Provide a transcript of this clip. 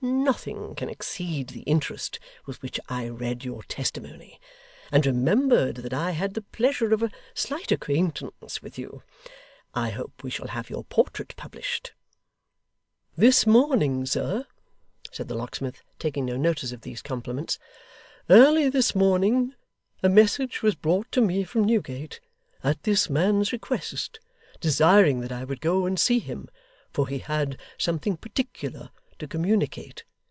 Nothing can exceed the interest with which I read your testimony, and remembered that I had the pleasure of a slight acquaintance with you. I hope we shall have your portrait published?' 'This morning, sir,' said the locksmith, taking no notice of these compliments, 'early this morning, a message was brought to me from Newgate, at this man's request, desiring that I would go and see him, for he had something particular to communicate.